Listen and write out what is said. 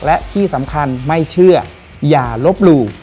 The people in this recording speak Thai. และที่สำคัญไม่เชื่ออย่าลบหลู่